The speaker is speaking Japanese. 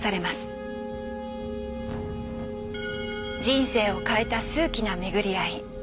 人生を変えた数奇な巡り会い。